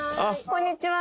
こんにちは。